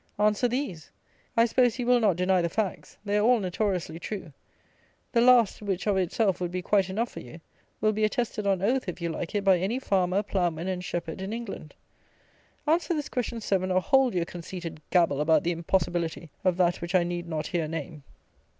Answer these. I suppose you will not deny the facts? They are all notoriously true. The last, which of itself would be quite enough for you, will be attested on oath, if you like it, by any farmer, ploughman, and shepherd, in England. Answer this question 7, or hold your conceited gabble about the "impossibility" of that which I need not here name.